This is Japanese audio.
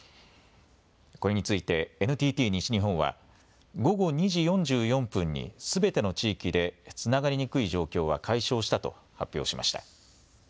これについてＮＴＴ西日本は午後２時４４分にすべての地域でつながりにくい状況は解消したと発表しました。